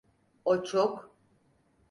O çok…